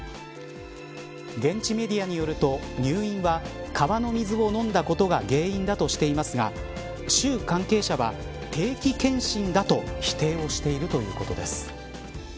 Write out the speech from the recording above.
現地メディアによると入院は川の水を飲んだことが原因だとしていますが州関係者は定期検診だと否定をしているということです。